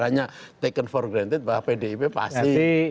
karena taken for granted bahwa pdip pasti